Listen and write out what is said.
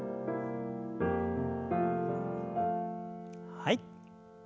はい。